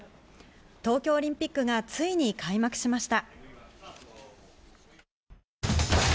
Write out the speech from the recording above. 東京オリンピックがついに開幕しました。